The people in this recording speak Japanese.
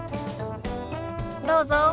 どうぞ。